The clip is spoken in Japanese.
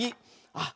あっ。